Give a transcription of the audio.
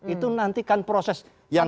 itu nanti kan proses yang